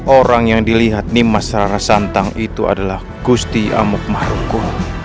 orang yang dilihat nimas raya santang itu adalah gusti amuk maruko